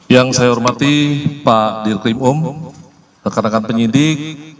yang saya hormati pak dirkrim um rekan rekan penyidik